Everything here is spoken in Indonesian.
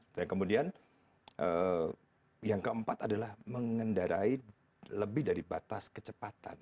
dan kemudian yang keempat adalah mengendarai lebih dari batas kecepatan